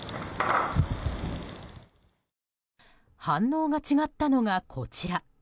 反応が違ったのが、こちら。